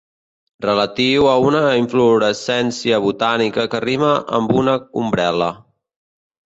Relatiu a una inflorescència botànica que rima amb una ombrel·la.